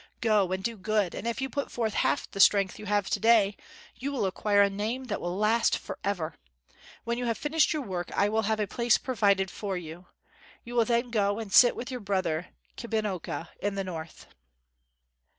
Go and do good, and if you put forth half the strength you have to day, you will acquire a name that will last forever. When you have finished your work I will have a place provided for you. You will then go and sit with your brother, Kabinocca, in the North."